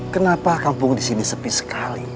kenapa kampung di sini sepi sekali